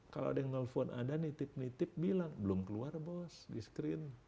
kalau ada yang nelfon ada nitip nitip bilang belum keluar bos di screen